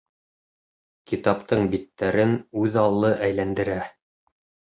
Китаптың биттәрен үҙ аллы әйләндерә.